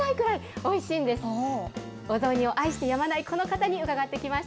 お雑煮を愛してやまないこの方に伺ってきました。